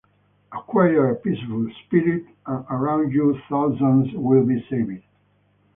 Acquire a peaceful spirit, and around you thousands will be saved.